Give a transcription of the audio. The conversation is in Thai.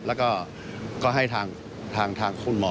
แล้วก็ให้ทางคุณหมอ